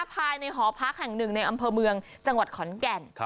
ภายในหอพักแห่งหนึ่งในอำเภอเมืองจังหวัดขอนแก่น